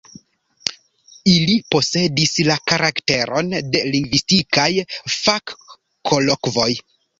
Ili posedis la karakteron de lingvistikaj fakkolokvoj.